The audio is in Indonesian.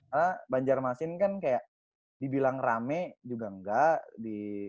karena banjarmasin kan kayak dibilang rame juga enggak